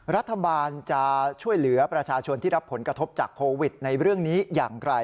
รัฐบาลจะช่วยเหลือประชาชนที่รับผลกระทบจากโควิดในเรื่องนี้อย่างไร